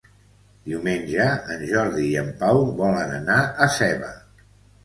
Diumenge en Jordi i en Pau volen anar a Seva.